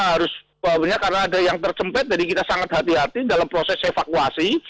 harus bahwa karena ada yang terjempet jadi kita sangat hati hati dalam proses evakuasi